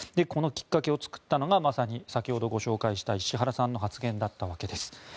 このきっかけを作ったのがまさに先ほどご紹介した石原さんの発言だったわけです。